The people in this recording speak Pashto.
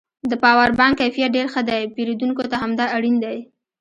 د پاور بانک کیفیت ډېر ښه دی پېرودونکو ته همدا اړین دی